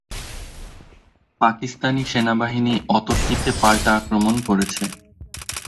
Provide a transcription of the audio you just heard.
পাকিস্তানি সেনাবাহিনী অতর্কিতে পাল্টা আক্রমণ করেছে।